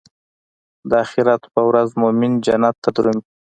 د اخرت پر ورځ مومن جنت ته درومي.